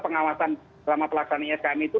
pengawasan selama pelaksanaan iskm itu